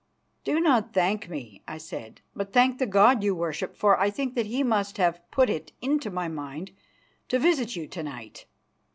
"Do not thank me," I said, "but thank the God you worship, for I think that He must have put it into my mind to visit you to night.